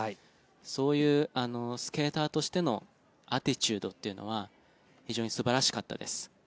そういうスケーターとしてのアティチュードというのは非常に素晴らしかったです。